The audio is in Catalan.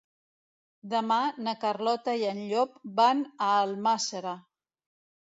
Demà na Carlota i en Llop van a Almàssera.